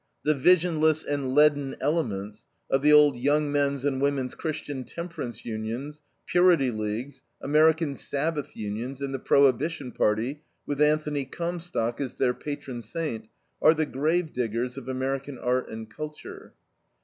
The visionless and leaden elements of the old Young Men's and Women's Christian Temperance Unions, Purity Leagues, American Sabbath Unions, and the Prohibition Party, with Anthony Comstock as their patron saint, are the grave diggers of American art and culture.